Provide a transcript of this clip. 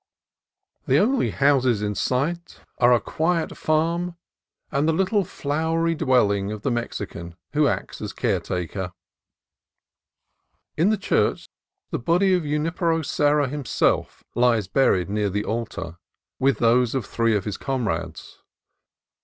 The only houses in sight are a quiet 216 CALIFORNIA COAST TRAILS farm and the little flowery dwelling of the Mexican who acts as caretaker. In the church the body of Junipero Serra himself lies buried near the altar, with those of three of his comrades.